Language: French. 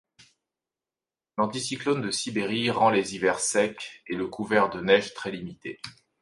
L'Anticyclone de Sibérie rend les hivers secs et le couvert de neige très limité.